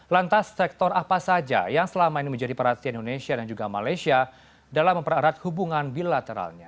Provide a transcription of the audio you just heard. lantas sektor apa saja yang selama ini menjadi perhatian indonesia dan juga malaysia dalam memperarat hubungan bilateralnya